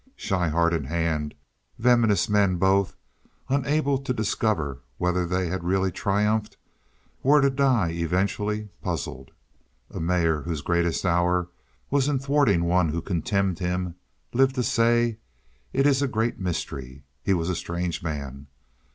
Schryhart and Hand, venomous men both, unable to discover whether they had really triumphed, were to die eventually, puzzled. A mayor whose greatest hour was in thwarting one who contemned him, lived to say: "It is a great mystery. He was a strange man."